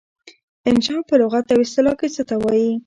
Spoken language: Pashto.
انشأ په لغت او اصطلاح کې څه ته وايي؟